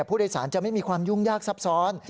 ผู้โดยสารจะไม่มีความยุ่งยากซับซ้อน